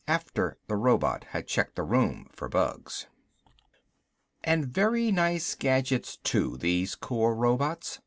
After the robot had checked the rooms for bugs. And very nice gadgets too, these Corps robots.